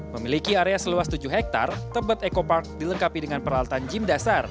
memiliki area seluas tujuh hektare tebet eco park dilengkapi dengan peralatan gym dasar